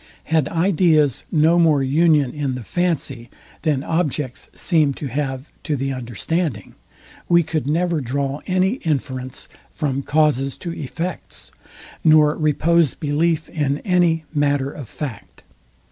Had ideas no more union in the fancy than objects seem to have to the understanding, we could never draw any inference from causes to effects, nor repose belief in any matter of fact.